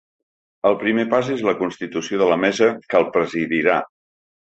El primer pas és la constitució de la mesa que el presidirà.